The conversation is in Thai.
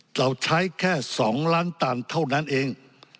เราใช้แค่๒ล้านตันเท่านั้นเอง